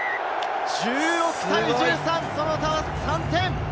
１６対１３、その差は３点。